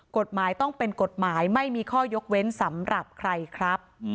กฎหมายต้องเป็นกฎหมายไม่มีข้อยกเว้นสำหรับใครครับ